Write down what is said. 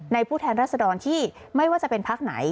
ผู้แทนรัศดรที่ไม่ว่าจะเป็นพักไหน